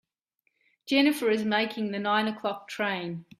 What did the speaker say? Jennifer is making the nine o'clock train.